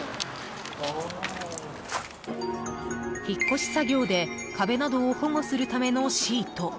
引っ越し作業で壁などを保護するためのシート。